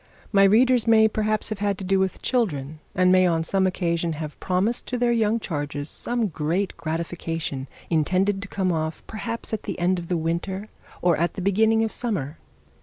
My readers may perhaps have had to do with children, and may on some occasion have promised to their young charges some great gratification intended to come off, perhaps at the end of the winter, or at the beginning of summer.